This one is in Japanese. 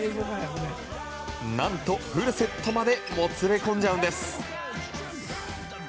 何と、フルセットまでもつれ込んじゃうんです。